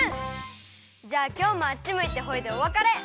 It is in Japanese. じゃあきょうもあっちむいてホイでおわかれ。